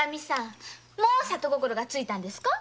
もう里心がついたんですか？